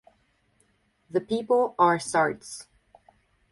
The people are Sarts.